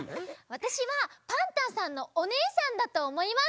わたしはパンタンさんのおねえさんだとおもいます。